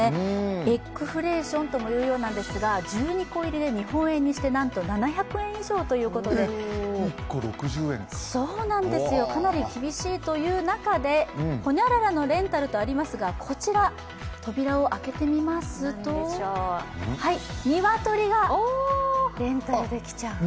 エッグフレーションとも言うようなんですが、１２個入りで日本円にしてなんと７００円以上ということでかなり厳しいという中でホニャララのレンタルとありますがこちら、扉を開けてみますと鶏がレンタルできちゃう。